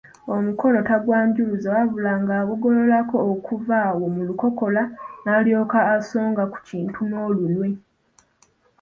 Omukono tagwanjuluza wabula ng'agugololako kuva awo mu nkokola n'alyoka asonga ku kintu n'olunwe.